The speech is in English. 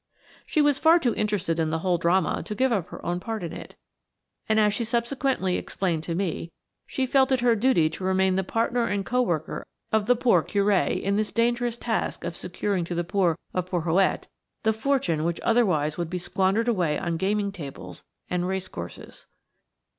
She was far too interested in the whole drama to give up her own part in it, and, as she subsequently explained to me, she felt it her duty to remain the partner and co worker of the poor Curé in this dangerous task of securing to the poor of Porhoët the fortune which otherwise would be squandered away on gaming tables and race courses.